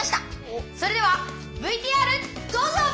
それではＶＴＲどうぞ！